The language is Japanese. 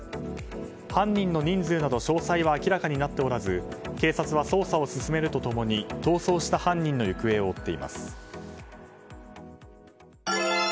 犯人の人数など詳細は明らかになっておらず警察は捜査を進めると共に逃走した犯人の行方を追っています。